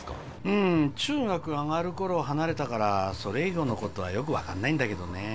うん中学上がる頃離れたからそれ以降のことはよく分かんないんだけどね